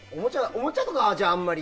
おもちゃとかはあんまり？